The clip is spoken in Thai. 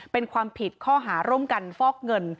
เป็นความผิดข้อหาร่วมกันฟอกเงิน